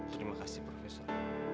terima kasih profesor